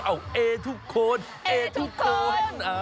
เอ้ทุกคนเอ้ทุกคน